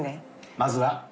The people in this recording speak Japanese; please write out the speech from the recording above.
まずは？